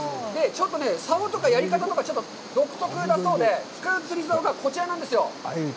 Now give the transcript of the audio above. ちょっとね、さおとかやり方とか、独特だそうで、使う釣りざおがこちらなんですよ。